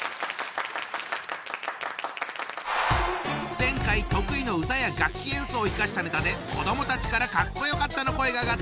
前回得意の歌や楽器演奏を生かしたネタで子どもたちからかっこよかったの声が上がった